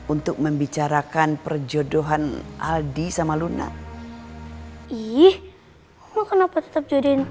untuk tahu kamu